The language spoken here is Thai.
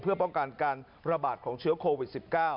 เพื่อป้องกันการระบาดของเชื้อโควิด๑๙